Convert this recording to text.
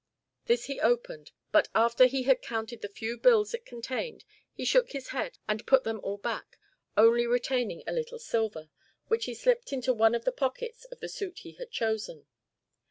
This he opened, but after he had counted the few bills it contained he shook his head and put them all back, only retaining a little silver, which he slipped into one of the pockets of the suit he had chosen.